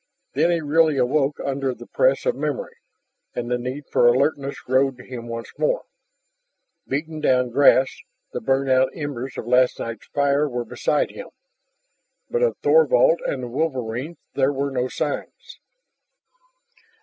Then he really awoke under the press of memory, and the need for alertness rode him once more. Beaten down grass, the burnt out embers of last night's fire were beside him. But of Thorvald and the wolverines there were no signs.